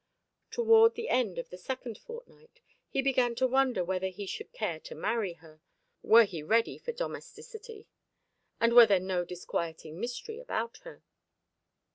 Toward the end of the second fortnight, he began to wonder whether he should care to marry her, were he ready for domesticity, and were there no disquieting mystery about her.